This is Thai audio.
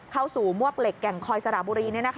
เข้าสู่มวกเหล็กแก่งคอยสระบุรี